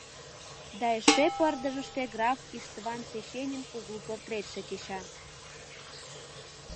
Да эше пырдыжыште граф Иштван Сеченьин кугу портретше кеча.